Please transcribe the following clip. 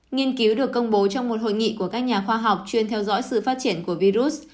nghiên cứu được công bố trong một hội nghị của các nhà khoa học chuyên theo dõi sự phát triển của virus